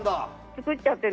作っちゃって。